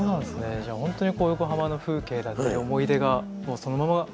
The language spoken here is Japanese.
じゃあ本当にこう横浜の風景だったり思い出がもうそのまま曲になってる。